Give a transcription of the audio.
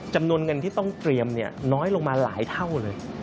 จำนวนเงินที่ต้องเตรียมน้อยลงมาหลายเท่าเลย